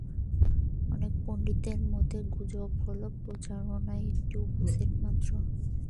অনেক পন্ডিতের মতে, গুজব হল প্রচারণার একটি উপসেট মাত্র।